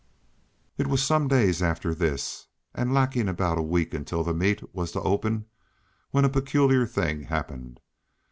It was some days after this, and lacking about a week until the meet was to open, when a peculiar thing happened.